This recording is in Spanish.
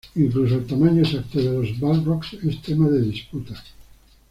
Incluso el tamaño exacto de los Balrogs es tema de disputa.